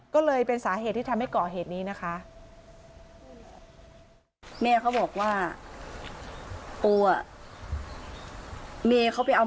ก็เลยเป็นสาเหตุที่ทำให้ก่อเหตุนี้นะคะ